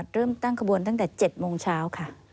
เริ่มตั้งขบวนตั้งแต่๗โมงเช้าค่ะ